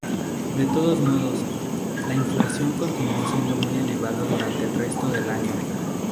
De todos modos, la inflación continuó siendo muy elevada durante el resto del año.